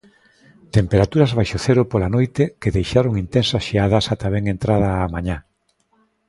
Temperaturas baixo cero pola noite que deixaron intensas xeadas ata ben entrada a mañá.